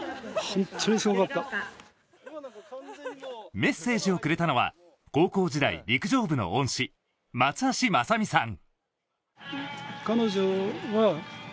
メッセージをくれたのは高校時代、陸上部の恩師、松橋昌巳さん。